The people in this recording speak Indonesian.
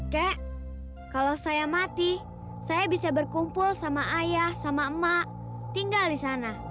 kek kalau saya mati saya bisa berkumpul sama ayah sama emak tinggal di sana